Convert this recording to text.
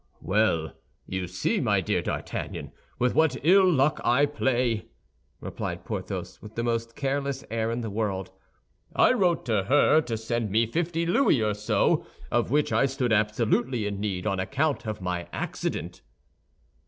"Well, you see, my dear D'Artagnan, with what ill luck I play," replied Porthos, with the most careless air in the world. "I wrote to her to send me fifty louis or so, of which I stood absolutely in need on account of my accident."